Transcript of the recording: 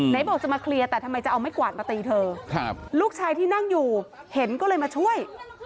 ไหนบอกจะมาเคลียร์แต่ทำไมจะเอาไม้กวาดมาตีเธอลูกชายที่นั่งอยู่เห็นก็เลยมาช่วย